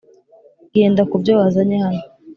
genda kubyo wazanye hano.